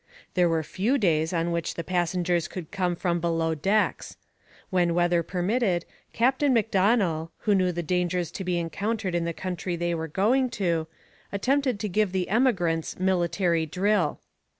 There were few days on which the passengers could come from below decks. When weather permitted, Captain Macdonell, who knew the dangers to be encountered in the country they were going to, attempted to give the emigrants military drill.